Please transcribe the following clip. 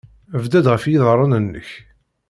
Bded ɣef yiḍarren-nnek.